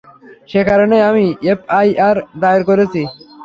সেই কারণেই আমি এফআইআর দায়ের করেছি।